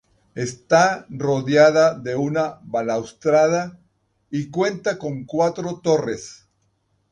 Está rodeada de una balaustrada, y cuenta con cuatro torres.